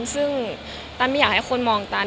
ซึ่งตันไม่อยากให้คนมองตัน